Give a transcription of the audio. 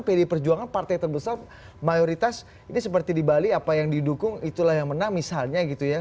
pdi perjuangan partai terbesar mayoritas ini seperti di bali apa yang didukung itulah yang menang misalnya gitu ya